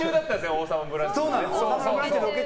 「王様のブランチ」の。